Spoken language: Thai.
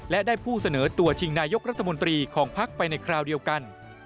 และได้ผู้เสนอตัวชิงนายกรัฐมนตรีของพักไปในคราวเดียวกัน